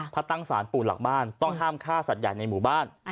ถ้าตั้งสารปู่หลักบ้านต้องห้ามฆ่าสัตว์ใหญ่ในหมู่บ้าน